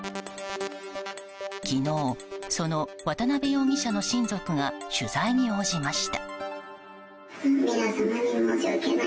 昨日、その渡邉容疑者の親族が取材に応じました。